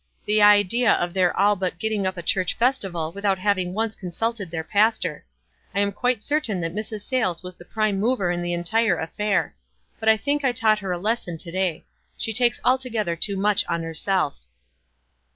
The idea of their all but getting up a church festival without having once consulted their pastor. I am quite certain that Mrs. Sayles was the prime mover in the entire affair ; but I think I taught her a lesson to day. She takes altogether too much on herself."